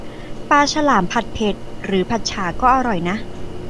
ปลาฉลาม ผัดเผ็ด หรือผัดฉ่าก็อร่อยนะ